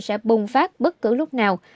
sẽ bùng phát bất cứ lúc nào